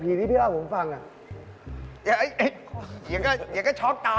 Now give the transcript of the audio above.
เอาสักเรื่องเอาสักเรื่องหนึ่งที่พี่ชอบกูฟัง